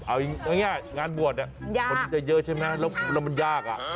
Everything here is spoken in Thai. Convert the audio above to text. เอาง่ายงานบวชคนจะเยอะใช่ไหมแล้วมันยาก